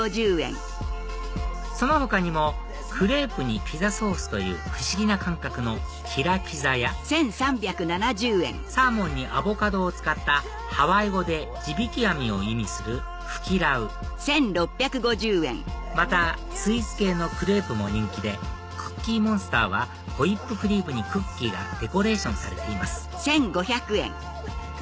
その他にもクレープにピザソースという不思議な感覚のキラピザやサーモンにアボカドを使ったハワイ語で「地引き網」を意味するフキラウまたスイーツ系のクレープも人気でクッキーモンスターはホイップクリームにクッキーがデコレーションされています